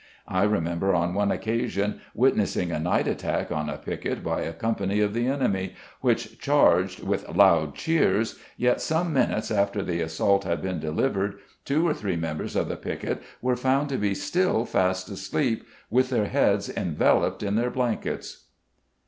I remember on one occasion witnessing a night attack on a piquet by a company of the enemy, which charged, with loud cheers, yet some minutes after the assault had been delivered, two or three members of the piquet were found to be still fast asleep, with their heads enveloped in their blankets.